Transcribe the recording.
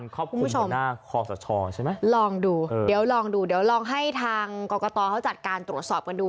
ขอบคุณหัวหน้าของสชใช่ไหมลองดูเดี๋ยวลองให้ทางกรกฏอจัดการตรวจสอบกันดู